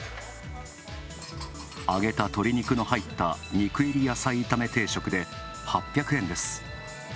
揚げた鶏肉の入った肉入り野菜炒め定食で８００円です。